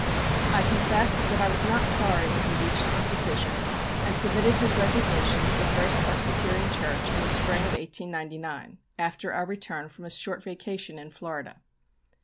I confess that I was not sorry when he reached this decision and submitted his resignation to the First Presbyterian Church in the spring of 1899, after our return from a short vacation in Florida.